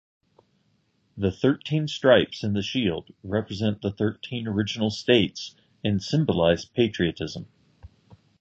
The thirteen stripes in the shield represent the thirteen original states and symbolize patriotism.